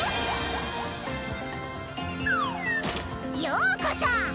ようこそ！